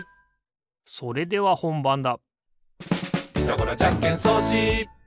それではほんばんだおや？